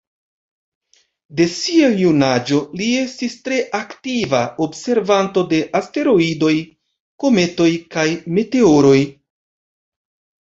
De sia junaĝo, li estis tre aktiva observanto de asteroidoj, kometoj, kaj meteoroj.